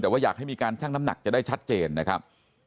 แต่ว่าอยากให้มีการชั่งน้ำหนักจะได้ชัดเจนนะครับ